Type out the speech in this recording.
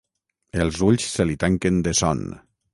Els ulls se li tanquen de son.